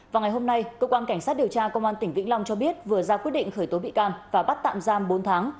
vào ngày hôm nay cơ quan cảnh sát điều tra công an tỉnh vĩnh long cho biết vừa ra quyết định khởi tố bị can và bắt tạm giam bốn tháng